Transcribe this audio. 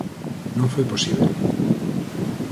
Non foi posíbel.